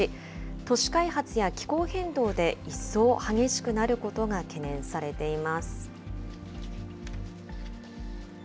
都市開発や気候変動で、一層激しくなることが懸念されています。